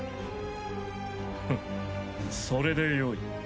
フッそれでよい。